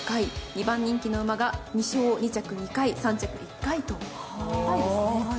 ２番人気の馬が２勝２着２回３着１回と堅いですね。